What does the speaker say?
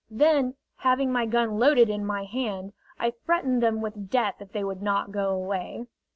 Then, having my gun loaded in my hand, I threatened them with death if they would not go away.